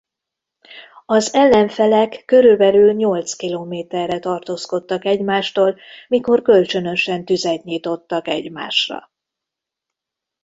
Az ellenfelek körülbelül nyolc kilométerre tartózkodtak egymástól mikor kölcsönösen tüzet nyitottak egymásra.